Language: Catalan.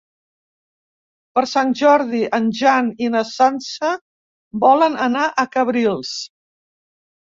Per Sant Jordi en Jan i na Sança volen anar a Cabrils.